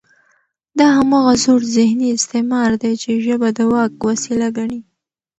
دا هماغه زوړ ذهني استعمار دی، چې ژبه د واک وسیله ګڼي